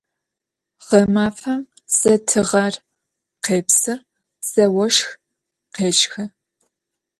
Ğemafem ze tığer khêpsı, ze voşx khêşxı.